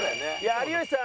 有吉さん